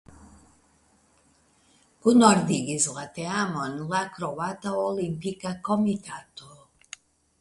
Kunordigis la teamon la Kroata Olimpika Komitato.